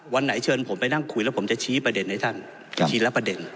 วันไหนเชิญผมไปนั่งคุยแล้วผมจะชี้ประเด็นให้ท่านทีละประเด็น